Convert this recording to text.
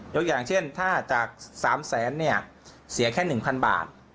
อย่างเช่นถ้าจาก๓แสนเนี่ยเสียแค่๑๐๐บาท